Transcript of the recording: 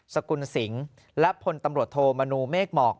สกุลสิงและพลตำรวจโทมนูเมฆหมอก